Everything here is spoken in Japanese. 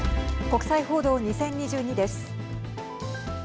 国際報道２０２２です。